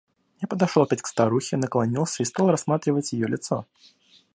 Я подошел опять к старухе, наклонился и стал рассматривать ее лицо.